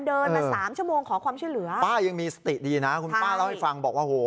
เดินมาสามชั่วโมงขอความช่วยเหลือป้ายังมีสติดีนะคุณป้าเล่าให้ฟังบอกว่าโห